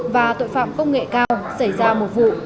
và tội phạm công nghệ cao xảy ra một vụ